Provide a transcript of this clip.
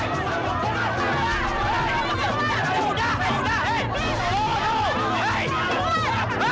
kemudian bisa lihat kan